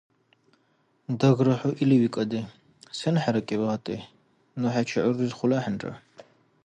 Дагра хӀу или викӀади. Сен хӀеракӀиба гьатӀи? Ну хӀечи гӀур рирхули ахӀенра.